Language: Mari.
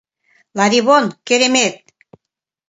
Ларивон, керемет!